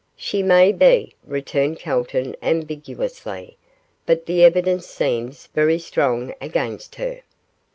'She may be,' returned Calton, ambiguously, 'but the evidence seems very strong against her.